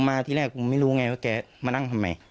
มาที่แรกผมไม่รู้ไงว่าแกมานั่งทำไม